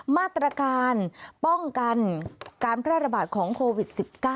มาตรการป้องกันการแพร่ระบาดของโควิด๑๙